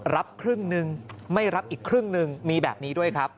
รับครึ่งหนึ่งไม่รับอีกครึ่งหนึ่งมีแบบนี้ด้วยครับ